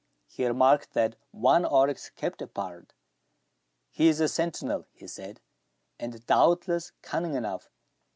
He remarked that one oryx kept apart. "He is a sentinel," he said, "and doubtless cunning enough.